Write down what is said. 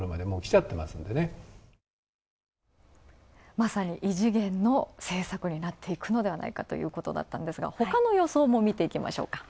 まさに異次元の政策になっていくのではないかということだったんですが、他の予想も見ていきましょうか。